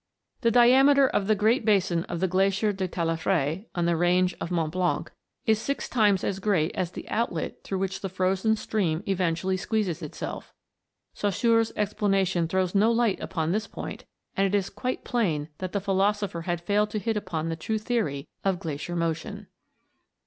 The diameter of the great basin of the Glacier de Talefre, on the range of Mont Blanc, is six times as great as the outlet through which the frozen stream eventually squeezes itself. Saussure's ex planation throws no light upon this point, and it is quite plain that the philosopher had failed to hit upon the true theory of glacier motion.